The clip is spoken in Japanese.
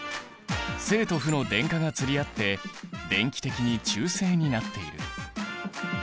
正と負の電荷が釣り合って電気的に中性になっている。